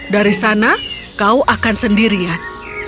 dari sana kau akan sendirian